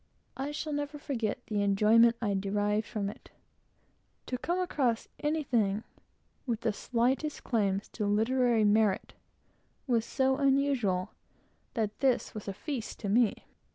I shall never forget the enjoyment I derived from it. To come across anything with the slightest claims to literary merit, was so unusual, that this was a perfect feast to me.